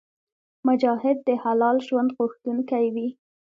مجاهد د حلال ژوند غوښتونکی وي.